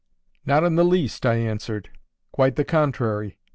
"Not in the least," I answered. "Quite the contrary.